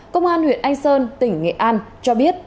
công an huyện anh sơn tỉnh nghệ an cho biết